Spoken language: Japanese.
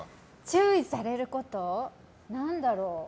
注意されること、何だろう。